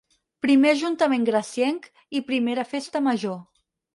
Primer ajuntament gracienc i primera festa major.